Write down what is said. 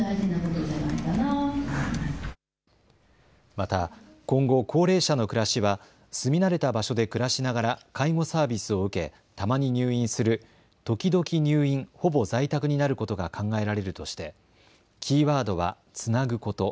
また今後、高齢者の暮らしは住み慣れた場所で暮らしながら介護サービスを受け、たまに入院する時々入院ほぼ在宅になることが考えられるとしてキーワードはつなぐこと。